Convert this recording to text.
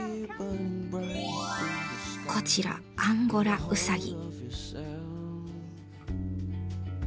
こちらアンゴラウサギ。